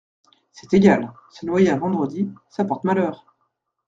C’est égal… se noyer un vendredi… ça porte malheur !…